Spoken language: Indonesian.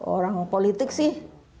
orang politik sih